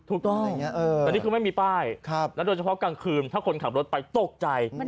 ถูกต้องแต่นี่คือไม่มีป้ายแล้วโดยเฉพาะกลางคืนถ้าคนขับรถไปตกใจ